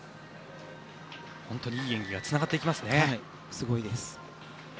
本当にいい演技がつながっていきますね。